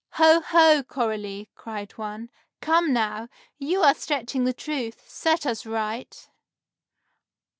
"Ho, ho, Coralie!" cried one. "Come, now! You are stretching the truth! Set us right!"